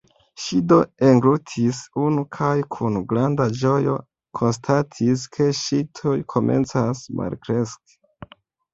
Ŝi do englutis unu, kaj kun granda ĝojo konstatis ke ŝi tuj komencas malkreski.